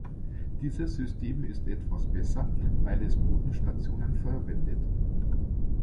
Dieses System ist etwas besser, weil es Bodenstationen verwendet.